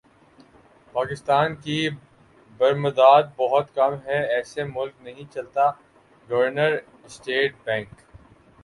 پاکستان کی برمدات بہت کم ہیں ایسے ملک نہیں چلتا گورنر اسٹیٹ بینک